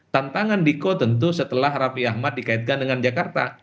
tantangan diko tentu setelah raffi ahmad dikaitkan dengan jakarta